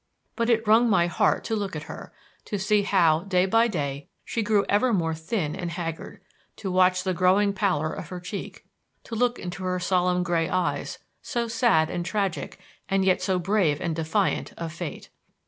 But it wrung my heart to look at her, to see how, day by day, she grew ever more thin and haggard; to watch the growing pallor of her cheek; to look into her solemn gray eyes, so sad and tragic and yet so brave and defiant of fate.